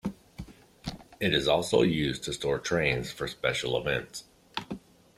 It is also used to store trains for special events.